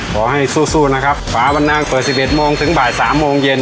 ขอให้สู้สู้หน้าครับฝ่าวันหน้าเปิดสิบเอ็ดโมงถึงบ่ายสามโมงเย็น